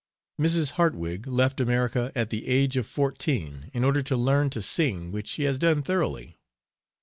Mrs. Hartwig left America at the age of fourteen in order to learn to sing which she has done thoroughly.